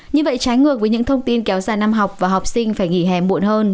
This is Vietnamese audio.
như vậy trái ngược với những thông tin kéo dài năm học và học sinh phải nghỉ hè muộn hơn